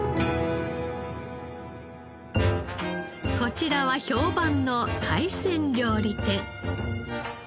こちらは評判の海鮮料理店。